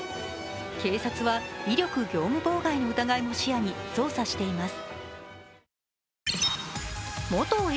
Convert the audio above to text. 警察は威力業務妨害の疑いも視野に捜査しています。